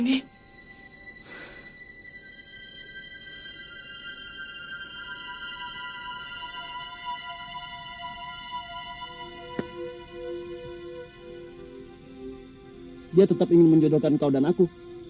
rada tetapi menjodohkan kau dan aku